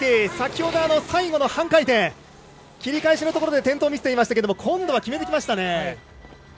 先ほど、最後の半回転切り返しのところで転倒を見せていましたが今度は決めてきましたね。